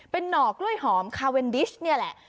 เป็นหน่อกล้วยหอมคาเวนดิชนี่แหละ